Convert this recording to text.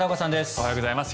おはようございます。